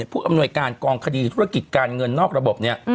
ผู้อำนวยการกองคดีธุรกิจการเงินนอกระบบเนี่ย